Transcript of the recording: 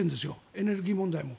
エネルギー問題も。